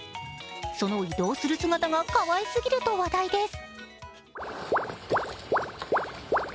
その移動する姿がかわいすぎると話題です。